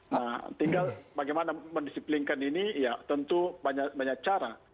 nah tinggal bagaimana danak mendisiplingkan ini ya tentu banyak banyak cara